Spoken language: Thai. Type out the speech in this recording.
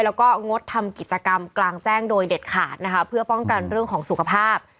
แล้วก็งดทำกิจกรรมกลางแจ้งโดยเด็ดขาดนะคะเพื่อป้องกันเรื่องของสุขภาพ